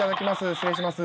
失礼します。